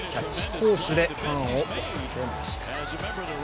攻守でファンを沸かせました。